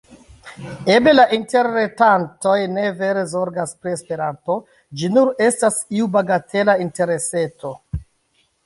Eble la interretantoj ne vere zorgas pri Esperanto, ĝi nur estas iu bagatela intereseto.